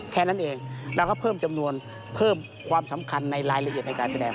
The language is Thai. แค่นั้นเองเราก็เพิ่มจำนวนเพิ่มความสำคัญในรายละเอียดในการแสดง